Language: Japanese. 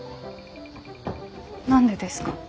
何でですか？